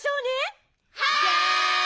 はい！